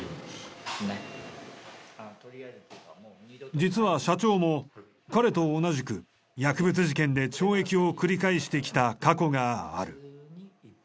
実は社長も彼と同じく薬物事件で懲役を繰り返してきた過去がある。